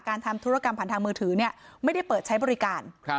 ทำธุรกรรมผ่านทางมือถือไม่ได้เปิดใช้บริการ